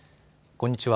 こんにちは。